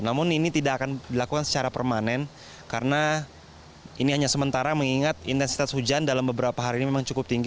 namun ini tidak akan dilakukan secara permanen karena ini hanya sementara mengingat intensitas hujan dalam beberapa hari ini memang cukup tinggi